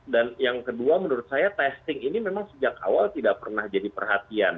dan yang kedua menurut saya testing ini memang sejak awal tidak pernah jadi perhatian